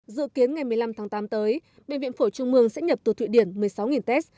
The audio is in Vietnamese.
dự kiến ngày một mươi năm tháng tám tới bệnh viện phổ trung mương sẽ nhập từ thụy điển một mươi sáu test